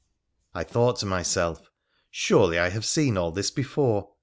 I thought to myself, ' Surely I have seen all this before.